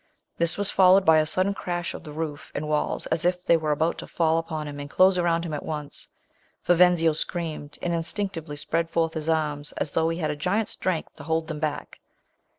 This was follow ed by a sudden crash of the roof and walls, as if they were about to fall upon and close around him at once. Vivenzio screamed, and instinctively spread forth his arms, as though he had a giant's strength to hold them back.